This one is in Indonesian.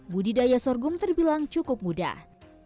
budidaya sorghum terbilang cukup mudah